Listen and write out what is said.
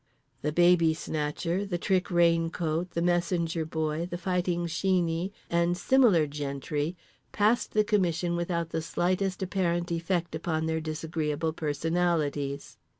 The Baby Snatcher, the Trick Raincoat, the Messenger Boy, the Fighting Sheeney and similar gentry passed the commission without the slightest apparent effect upon their disagreeable personalities.